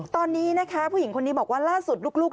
ตอนนี้นะคะผู้หญิงคนนี้บอกว่าล่าสุดลูก